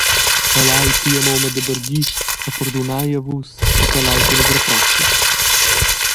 Calei pia, mumma, da bargir e perdunei a Vus e calei cullas reproschas.